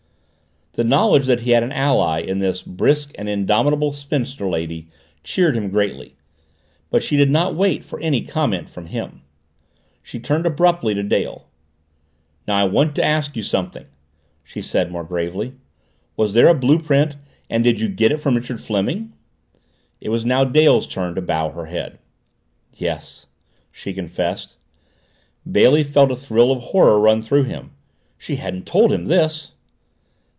The knowledge that he had an ally in this brisk and indomitable spinster lady cheered him greatly. But she did not wait for any comment from him. She turned abruptly to Dale. "Now I want to ask you something," she said more gravely. "Was there a blue print, and did you get it from Richard Fleming?" It was Dale's turn now to bow her head. "Yes," she confessed. Bailey felt a thrill of horror run through him. She hadn't told him this!